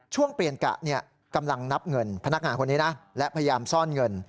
ช่วงเปลี่ยนกะกำลังนับเงินพนักงานคนนี้นะและพยายามซ่อนเงิน